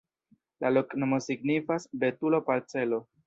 La loknomo signifas: betulo-parcelo.